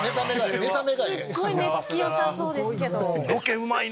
すっごい寝付きよさそうですけど。